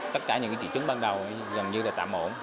tất cả những trị trứng ban đầu gần như là tạm ổn